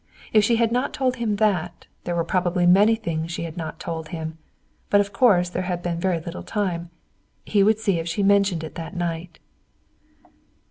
If she had not told him that, there were probably many things she had not told him. But of course there had been very little time. He would see if she mentioned it that night.